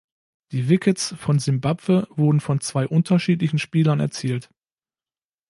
Die Wickets von Simbabwe wurden von zwei unterschiedlichen Spielern erzielt.